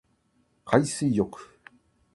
海水浴